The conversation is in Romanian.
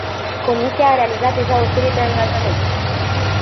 Comisia a realizat deja o serie de angajamente.